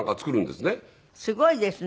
すごいですね。